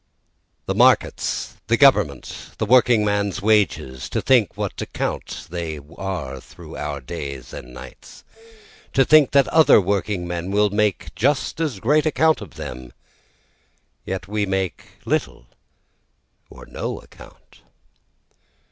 5 The markets, the government, the working man's wages, to think what account they are through our nights and days, To think that other working men will make just as great account of them, yet we make little or no account.